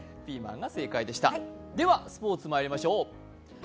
ではスポーツにまいりましょう。